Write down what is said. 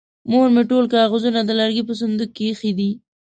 مور مې ټول کاغذونه د لرګي په صندوق کې ايښې دي.